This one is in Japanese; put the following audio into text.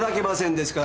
ですから。